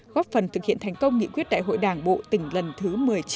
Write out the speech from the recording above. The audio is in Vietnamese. góp phần thực hiện thành công nghị quyết đại hội đảng bộ tỉnh lần thứ một mươi chín